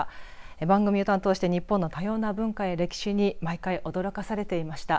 番組を担当して日本の多様な文化や歴史に毎回驚かされていました。